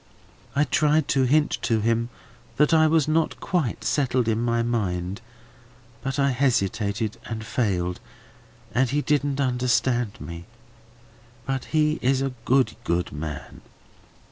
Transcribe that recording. I tried to hint to him that I was not quite settled in my mind, but I hesitated and failed, and he didn't understand me. But he is a good, good man.